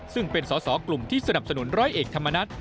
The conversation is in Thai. ซึ่งเป็นสอสอกลุ่มที่สนับสนุนร้อยเอกธรรมนัฐ